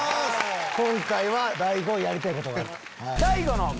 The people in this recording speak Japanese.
今回は大悟がやりたいことがある。